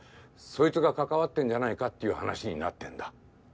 そいつが関わってんじゃないかっていう話になってんだ。